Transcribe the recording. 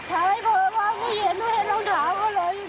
ใช่เพราะว่าไม่เห็นไม่เห็นต้องถามก็เลย